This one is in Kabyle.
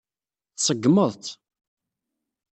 Tṣeggmeḍ-tt.